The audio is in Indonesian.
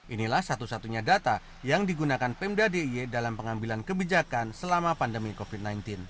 inilah satu satunya data yang digunakan pemda d i e dalam pengambilan kebijakan selama pandemi covid sembilan belas